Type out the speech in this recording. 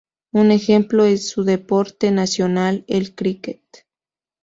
Un ejemplo es su deporte nacional, el críquet.